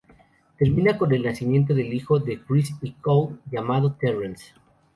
Termina con el nacimiento del hijo de Chris y Chloe, llamado Terrance.